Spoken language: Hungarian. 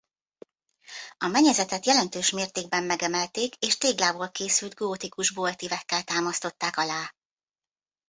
A mennyezetet jelentős mértékben megemelték és téglából készült gótikus boltívekkel támasztották alá.